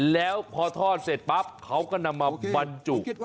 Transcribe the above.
แล้วพอทอดเสร็จปั๊บเขาก็นำมาบรรจุ